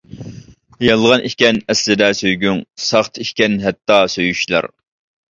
يالغان ئىكەن ئەسلىدە سۆيگۈڭ، ساختا ئىكەن ھەتتا سۆيۈشلەر.